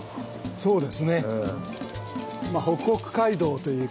そうですね。